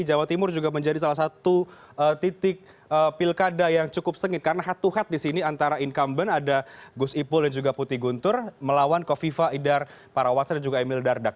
jawa timur juga menjadi salah satu titik pilkada yang cukup sengit karena head to head di sini antara incumbent ada gus ipul dan juga putih guntur melawan kofifa idar parawansa dan juga emil dardak